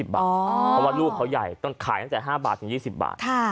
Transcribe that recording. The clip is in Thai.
เพราะว่าลูกเขาใหญ่ต้องขายตั้งแต่๕บาทถึง๒๐บาท